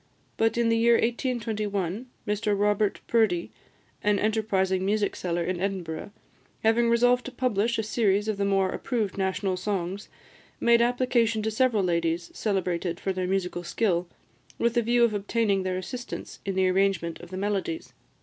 But in the year 1821, Mr Robert Purdie, an enterprising music seller in Edinburgh, having resolved to publish a series of the more approved national songs, made application to several ladies celebrated for their musical skill, with the view of obtaining their assistance in the arrangement of the melodies.